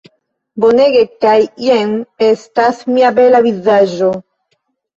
Bonege kaj jen estas mia bela vizaĝo